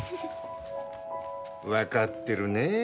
わかってるねえ。